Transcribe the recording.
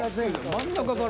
真ん中から。